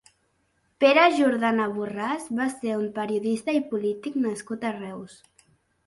Pere Jordana Borràs va ser un periodista i polític nascut a Reus.